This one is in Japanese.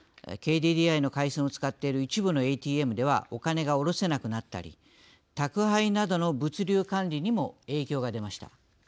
ＫＤＤＩの回線を使っている一部のＡＴＭではお金が下ろせなくなったり宅配などの物流管理にも影響が出ました。